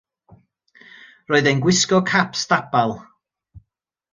Roedd e'n gwisgo cap stabal.